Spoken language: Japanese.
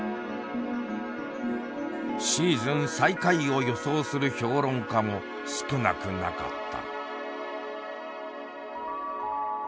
シーズン最下位を予想する評論家も少なくなかった。